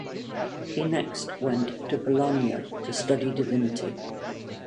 He next went to Bologna, to study divinity.